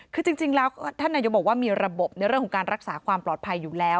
คือจริงแล้วท่านนายกบอกว่ามีระบบในเรื่องของการรักษาความปลอดภัยอยู่แล้ว